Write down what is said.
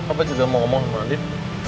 apa juga mau omong sama andien